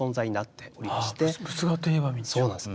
そうなんです。